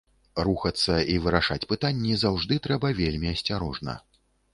Рухацца і вырашаць пытанні заўжды трэба вельмі асцярожна.